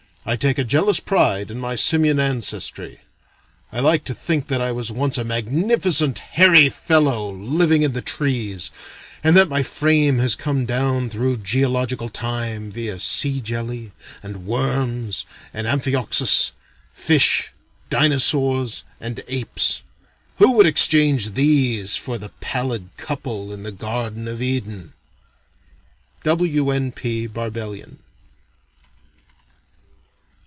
I take a jealous pride in my Simian ancestry. I like to think that I was once a magnificent hairy fellow living in the trees, and that my frame has come down through geological time via sea jelly and worms and Amphioxus, Fish, Dinosaurs, and Apes. Who would exchange these for the pallid couple in the Garden of Eden?" W. N. P. Barbellion.